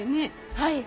はい。